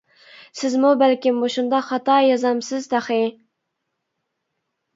سىزمۇ بەلكىم مۇشۇنداق خاتا يازامسىز تېخى.